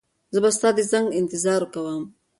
زه به ستا د زنګ انتظار کوم.